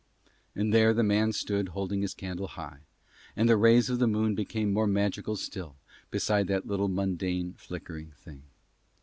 And there the man stood holding his candle high, and the rays of the moon became more magical still beside that little mundane, flickering thing.